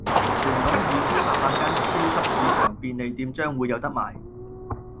全香港二千八百間超級市場、便利店將會有得賣